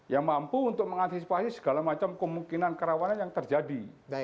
yang mampu untuk mengantisipasi segala macam kemungkinan kerawanan yang terjadi